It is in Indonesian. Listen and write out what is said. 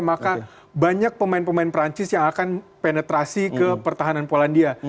maka banyak pemain pemain perancis yang akan penetrasi ke pertahanan polandia